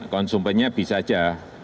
konsumennya bisa saja